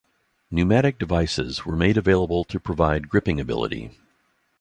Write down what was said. Pneumatic devices were made available to provide gripping ability.